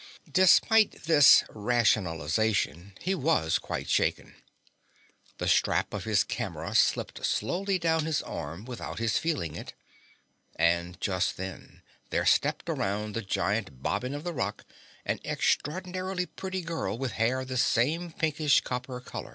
Despite this rationalization he was quite shaken. The strap of his camera slipped slowly down his arm without his feeling it. And just then there stepped around the giant bobbin of the rock an extraordinarily pretty girl with hair the same pinkish copper color.